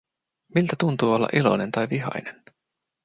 Miltä tuntuu olla iloinen tai vihainen?